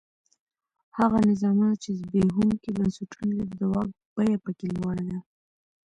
هغه نظامونه چې زبېښونکي بنسټونه لري د واک بیه په کې لوړه ده.